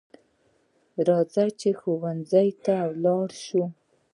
راځه چې ښوونځي ته لاړ شو